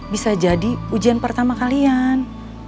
bisa jadi ujian pertama kalian